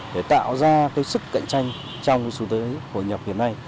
để tạo ra cái sức cạnh tranh trong xu thế hội nhập hiện nay